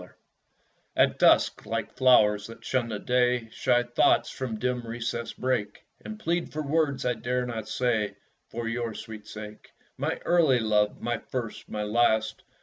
At Dusk At dusk, like flowers that shun the day, Shy thoughts from dim recesses break, And plead for words I dare not say For your sweet sake. My early love! my first, my last!